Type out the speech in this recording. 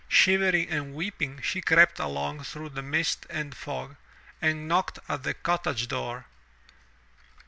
Shivering and weeping, she crept along through the mist and fog, and knocked at the cottage door.